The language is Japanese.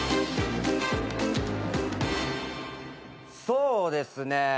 そうですね。